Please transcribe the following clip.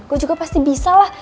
gue juga pasti bisa lah